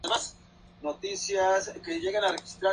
Es hermano del futbolista argentino Pablo González.